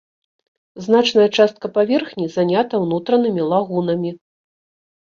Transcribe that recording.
Значная частка паверхні занята ўнутранымі лагунамі.